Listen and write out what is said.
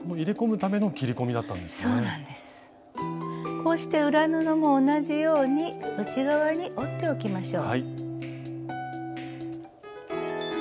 こうして裏布も同じように内側に折っておきましょう。